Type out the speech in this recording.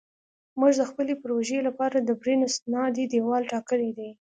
موږ د خپلې پروژې لپاره ډبرین استنادي دیوال ټاکلی دی